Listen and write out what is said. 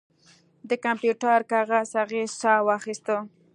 د کمپیوټر کاغذ هغې ساه واخیسته